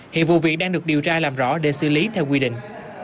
hiện vụ việc đang được điều tra làm rõ để xử lý theo quy định